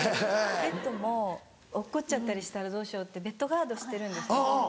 ベッドも落っこっちゃったりしたらどうしようってベッドガードしてるんですけど。